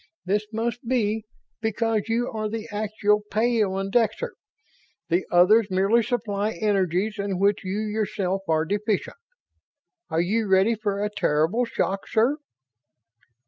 This must be, because you are the actual peyondixer. The others merely supply energies in which you yourself are deficient. Are you ready for a terrible shock, sir?"